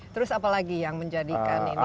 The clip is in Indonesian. terus apalagi yang menjadikan ini kelas internasional